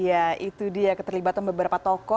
iya itu dia keterlibatan beberapa toko